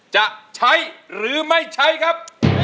จะใช้หรือไม่ใช้ครับ